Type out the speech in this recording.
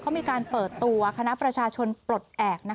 เขามีการเปิดตัวคณะประชาชนปลดแอบ